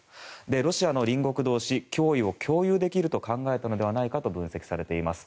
ロシアの隣国同士脅威を共有できると考えたのではないかと分析されています。